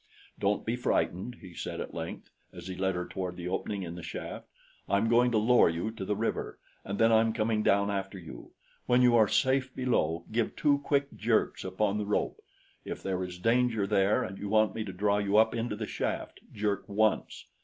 "Don't be frightened," he said at length, as he led her toward the opening in the shaft. "I'm going to lower you to the river, and then I'm coming down after you. When you are safe below, give two quick jerks upon the rope. If there is danger there and you want me to draw you up into the shaft, jerk once.